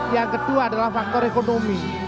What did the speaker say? yang kedua adalah faktor ekonomi